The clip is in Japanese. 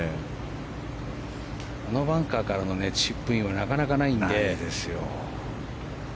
あのバンカーからのチップインはなかなかないので。